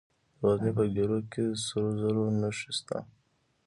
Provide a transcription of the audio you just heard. د غزني په ګیرو کې د سرو زرو نښې شته.